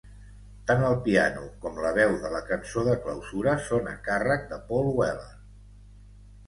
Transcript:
Tant el piano com la veu de la cançó de clausura són a càrrec de Paul Weller.